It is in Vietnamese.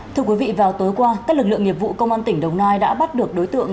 thưa quý vị vào tối qua các lực lượng nghiệp vụ công an tỉnh đồng nai đã bắt được đối tượng